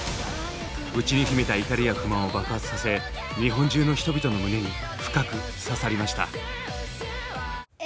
内に秘めた怒りや不満を爆発させ日本中の人々の胸に深く刺さりました。